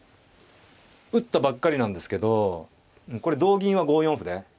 打ったばっかりなんですけどこれ同銀は５四歩で。